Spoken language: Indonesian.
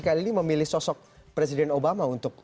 kali ini memilih sosok presiden obama untuk